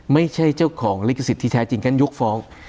ไม่ใช่เจ้าของลิขสิทธิแท้จริงท่านยกฟ้อง